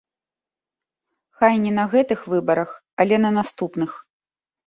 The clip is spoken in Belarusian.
Хай не на гэтых выбарах, але на наступных.